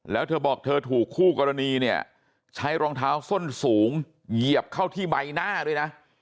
แล้วเธอบอกเธอถูกคู่กรณีเนี่ยใช้รองเท้าส้นสูงเหยียบเข้าที่ใบหน้าด้วยนะ